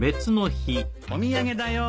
お土産だよ。